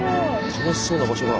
楽しそうな場所だ。